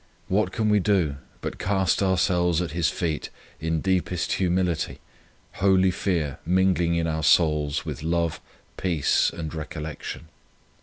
What can we do but cast ourselves at His feet in deepest humility, holy fear mingling in our souls with love, peace, and recollec tion